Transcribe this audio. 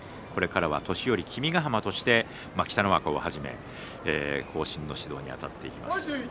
これからは年寄君ヶ濱として北の若をはじめとして後進の指導にあたっていきます。